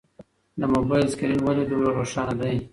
د موبایل سکرین ولې دومره روښانه دی؟